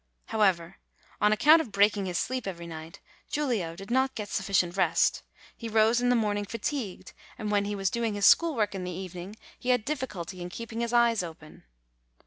However, on account of breaking his sleep every night, Giulio did not get sufficient rest : he rose in the morning fatigued, and when he was doing his school work in the evening, he had difficulty in keeping his eyes open.